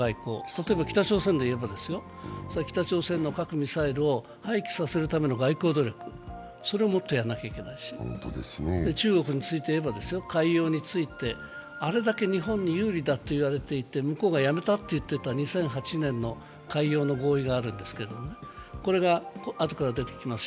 例えば北朝鮮でいえば、北朝鮮の核・ミサイルを廃棄させるための外交努力をもっとやらなきゃいけないし、中国についていえば、海洋について、あれだけ日本に有利だと言われていて向こうがやめたという２００８年の海洋の合意があるんですけど、これが後から出てきます